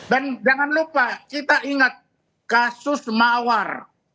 dan jangan lupa kita ingat kasus mawar